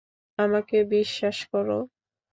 আমাকে বিশ্বাস করো!